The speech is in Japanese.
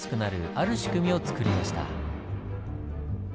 ある仕組みをつくりました。